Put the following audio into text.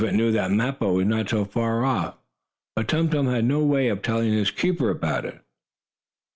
The elephant knew that Mappo was not so very far off, but Tum Tum had no way of telling his keeper about it.